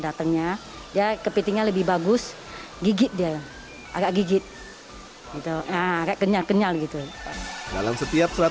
datangnya ya kepitingnya lebih bagus gigit dia agak gigit itu agak kenyal kenyal gitu dalam setiap surat